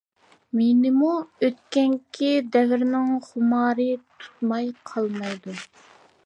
مېنىمۇ ئۆتكەنكى دەۋرنىڭ خۇمارى تۇتماي قالمايدۇ.